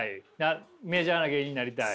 メジャーな芸人になりたい。